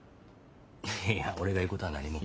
いや俺が言うことは何も。